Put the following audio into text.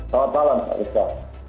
selamat malam pak rizka